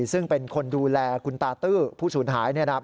ซึ่งเป็นคนดูแลคุณตาตื้อผู้สูญหาย